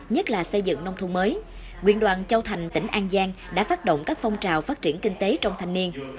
nhất là xây dựng nông thôn mới quyện đoàn châu thành tỉnh an giang đã phát động các phong trào phát triển kinh tế trong thanh niên